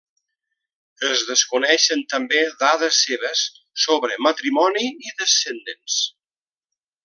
Es desconeixen també dades seves sobre matrimoni i descendents.